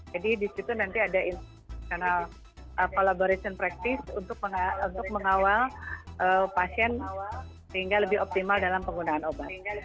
jadi di situ nanti ada insenal collaboration practice untuk mengawal pasien sehingga lebih optimal dalam penggunaan obat